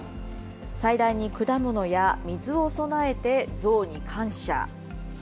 祭壇に果物や水を供えてゾウに感謝。